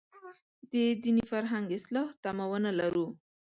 د دیني فرهنګ اصلاح تمه ونه لرو.